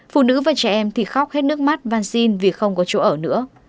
phụ nữ và trẻ em thì khóc hết nước mắt và xin vì không có chỗ ở nữa